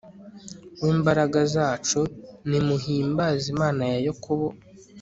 we mbaraga zacu, nimuhimbaze imana ya yakobo